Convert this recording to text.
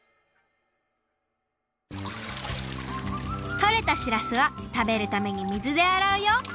とれたしらすはたべるために水であらうよ